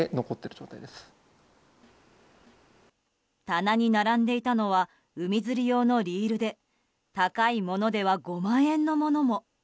棚に並んでいたのは海釣り用のリールで高いものでは５万円のものも。